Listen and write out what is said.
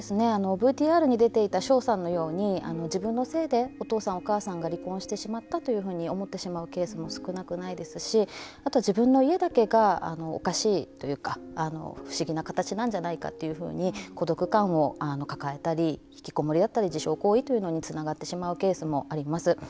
ＶＴＲに出ていた翔さんのように、自分のせいでお父さん、お母さんが離婚してしまったというふうに思ってしまうケースも少なくないですし、あと自分の家だけがおかしいというか不思議な形なんじゃないかっていうふうに孤独感を抱えたり引きこもりだったり自傷行為というのにつながってしまうケースもあります。